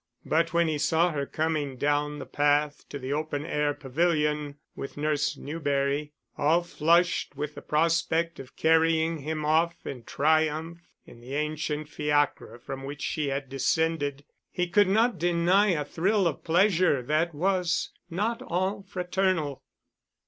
But when he saw her coming down the path to the open air pavilion with Nurse Newberry, all flushed with the prospect of carrying him off in triumph in the ancient fiacre from which she had descended, he could not deny a thrill of pleasure that was not all fraternal.